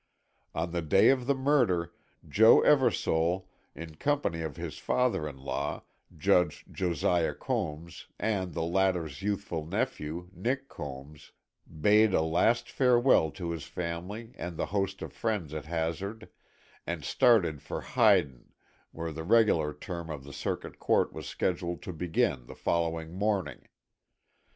On the day of the murder, Joe Eversole, in company of his father in law, Judge Josiah Combs and the latter's youthful nephew, Nick Combs, bade a last farewell to his family and the host of friends at Hazard and started for Hyden where the regular term of the Circuit Court was scheduled to begin the following morning.